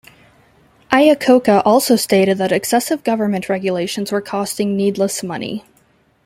Iacocca also stated that excessive government regulations were costing needless money.